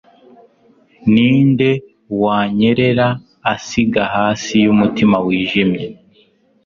Ninde wanyerera asiga hasi yumutima wijimye